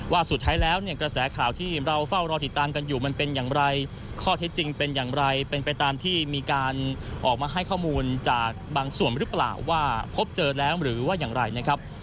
สุดท้ายแล้วเนี่ยกระแสข่าวที่เราเฝ้ารอติดตามกันอยู่มันเป็นอย่างไรข้อเท็จจริงเป็นอย่างไรเป็นไปตามที่มีการออกมาให้ข้อมูลจากบางส่วนหรือเปล่าว่าพบเจอแล้วหรือว่าอย่างไรนะครับ